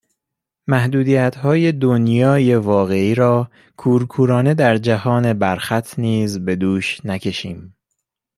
محدودیتهای دنیای واقعی را کورکورانه در جهان برخط نیز به دوش نکشیم